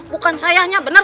bukan sayangnya benar